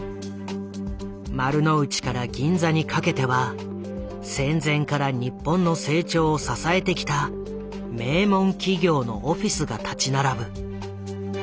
丸の内から銀座にかけては戦前から日本の成長を支えてきた名門企業のオフィスが立ち並ぶ。